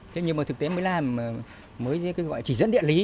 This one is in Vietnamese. thế nhưng mà thực tế mới làm mới gọi chỉ dẫn địa lý